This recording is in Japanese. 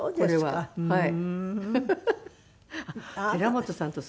はい。